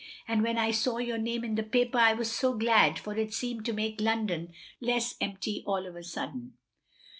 And when I saw your name in the paper I was so glad, for it seemed to make London less empty all of a sudden.